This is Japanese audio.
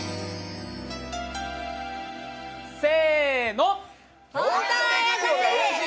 せーの。